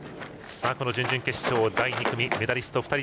準々決勝第２組メダリスト